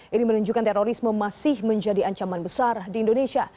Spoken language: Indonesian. ini menunjukkan terorisme masih menjadi ancaman besar di indonesia